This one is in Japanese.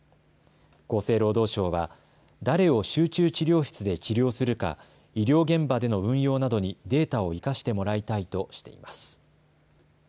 厚生労働省は誰を集中治療室で治療するか医療現場での運用などにデータを生かしてもらいたいとしています。